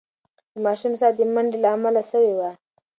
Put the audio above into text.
د ماشوم ساه د منډې له امله سوې وه.